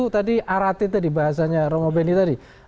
tadi arati bahasanya romo bendi tadi